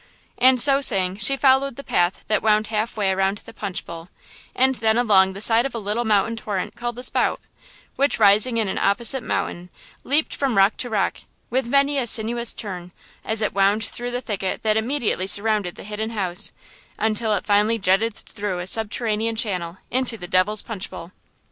And so saying she followed the path that wound half way around the Punch Bowl and then along the side of a little mountain torrent called the Spout, which, rising in an opposite mountain, leaped from rock to rock, with many a sinuous turn, as it wound through the thicket that immediately surrounded the Hidden House until it finally jetted through a subterranean channel into the Devil's Punch Bowl.